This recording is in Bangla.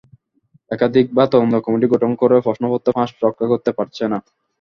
একাধিকবার তদন্ত কমিটি গঠন করেও প্রশ্নপত্র ফাঁস রক্ষা করতে পারছে না।